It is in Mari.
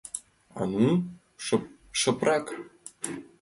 — А ну, шыпрак!